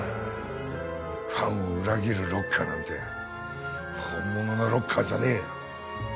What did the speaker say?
ファンを裏切るロッカーなんて本物のロッカーじゃねえ。